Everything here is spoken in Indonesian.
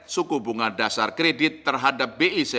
suku bunga dasar kredit terhadap bi tujuh d rebus repo rate